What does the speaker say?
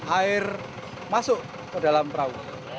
air masuk ke dalam perahu